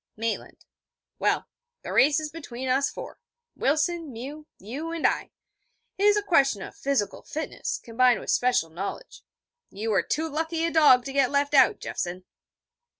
Maitland: 'Well, the race is between us four: Wilson, Mew, you and I. It is a question of physical fitness combined with special knowledge. You are too lucky a dog to get left out, Jeffson.'